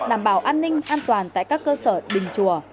đảm bảo an ninh an toàn tại các cơ sở đình chùa